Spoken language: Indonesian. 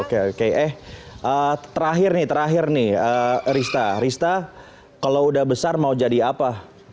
oke oke eh terakhir nih terakhir nih rista rista kalau udah besar mau jadi apa